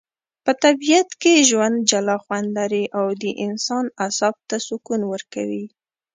په طبیعت کي ژوند جلا خوندلري.او د انسان اعصاب ته سکون ورکوي